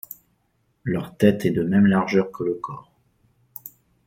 Leur tête est de même largeur que le corps.